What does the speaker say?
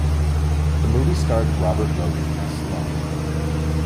The movie starred Robert Logan as Sloane.